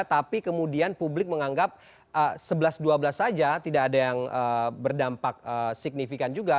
tapi kemudian publik menganggap sebelas dua belas saja tidak ada yang berdampak signifikan juga